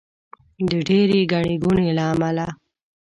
د ډېرې ګڼې ګوڼې له امله.